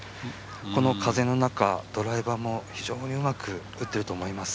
この風の中、ドライバーも非常にうまく打っていると思います。